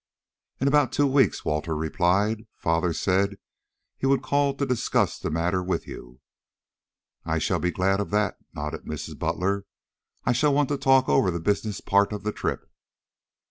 "In about two weeks," Walter replied. "Father said he would call to discuss the matter with you." "I shall be glad of that," nodded Mrs. Butler. "I shall want to talk over the business part of the trip."